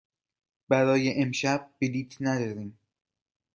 برای امشب بلیط نداریم.